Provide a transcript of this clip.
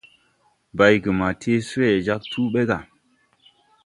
Baygama tee swee ma jāg tuu ɓe ga.